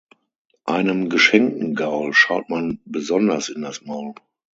Einem geschenkten Gaul schaut man besonders in das Maul.